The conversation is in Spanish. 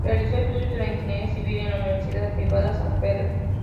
Realizó estudios de ingeniería civil en la Universidad Privada San Pedro.